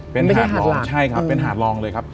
เป็นหาดรองใช่ครับเป็นหาดรองเลยครับ